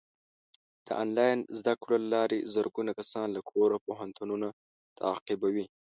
د آنلاین زده کړو له لارې زرګونه کسان له کوره پوهنتونونه تعقیبوي.